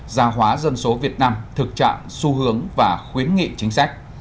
gia hóa dân số việt nam thực trạng xu hướng và khuyến nghị chính sách